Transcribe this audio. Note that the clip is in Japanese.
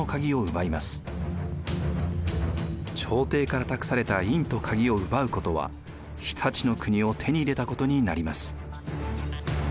朝廷から託された印と鍵を奪うことは常陸の国を手に入れたことになります。